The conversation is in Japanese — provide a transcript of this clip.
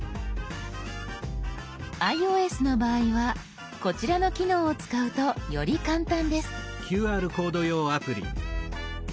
ｉＯＳの場合はこちらの機能を使うとより簡単です。